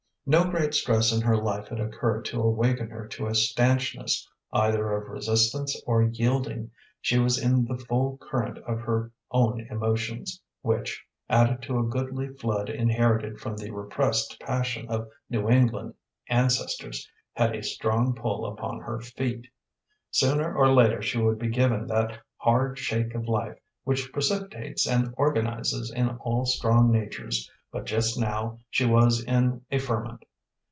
No great stress in her life had occurred to awaken her to a stanchness either of resistance or yielding. She was in the full current of her own emotions, which, added to a goodly flood inherited from the repressed passion of New England ancestors, had a strong pull upon her feet. Sooner or later she would be given that hard shake of life which precipitates and organizes in all strong natures, but just now she was in a ferment.